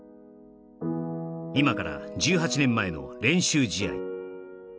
今から１８年前の練習試合